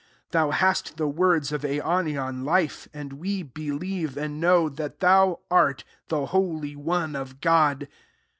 thou hast the words of aionian life: 69 and we believe, and know, that thou art the Holy One of God."